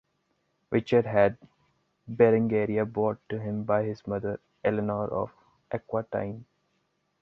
Richard had Berengaria brought to him by his mother Eleanor of Aquitaine.